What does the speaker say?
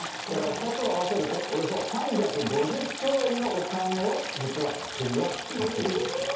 だから２つを合わせるとおよそ３５０兆円のお金を実は国は使ってるんです。